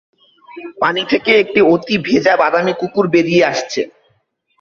পানি থেকে একটি অতি ভেজা বাদামি কুকুর বেরিয়ে আসছে।